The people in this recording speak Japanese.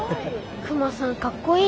クマさんかっこいいね。